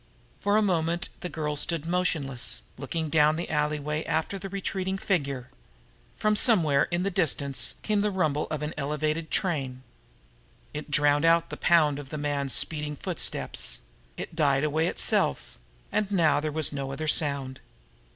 For a moment the girl stood there motionless, looking down the alleyway after the retreating figure. From somewhere in the distance came the rumble of an elevated train. It drowned out the pound of the man's speeding footsteps; it died away itself and now there was no other sound.